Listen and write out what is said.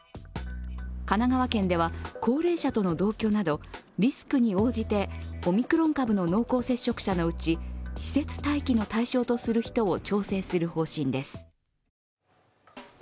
神奈川県では高齢者との同居などリスクに応じてオミクロン株の濃厚接触者のうち施設待機の対象とする人を調整する方針です。